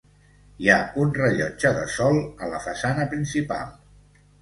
Hi ha un rellotge de sol a la façana principal.